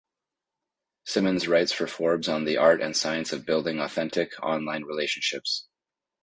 Simmons writes for Forbes on the art and science of building authentic, online relationships.